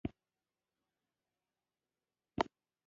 د اساسي قانون کې پاچاهي نظام په جمهوري واوښت.